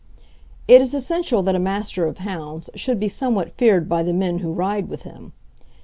It is essential that a Master of Hounds should be somewhat feared by the men who ride with him.